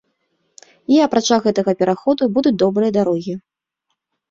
І, апрача гэтага пераходу, будуць добрыя дарогі.